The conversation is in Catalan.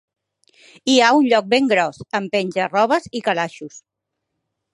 Hi ha un lloc ben gros, amb penja-robes i calaixos.